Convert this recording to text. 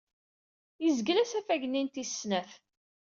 Yezgel asafag-nni n tis snat.